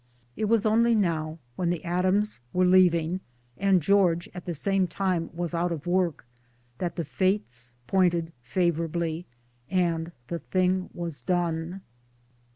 It was only now, when the Adams* were leaving and George at the same time was out of work, that the Fates pointed favorably and the thing was done.